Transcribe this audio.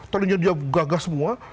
terlalu jauh gagah semua